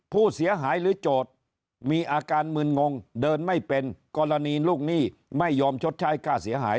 ผู้เสียหายหรือโจทย์มีอาการมืนงงเดินไม่เป็นกรณีลูกหนี้ไม่ยอมชดใช้ค่าเสียหาย